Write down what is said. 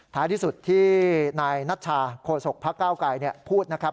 ที่สุดที่นายนัชชาโคศกพักเก้าไกรพูดนะครับ